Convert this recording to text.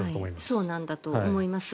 そうなんだと思います。